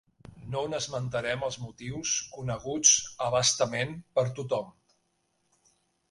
No n’esmentarem els motius, coneguts a bastament per tothom.